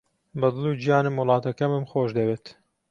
بە دڵ و گیانم وڵاتەکەمم خۆش دەوێت.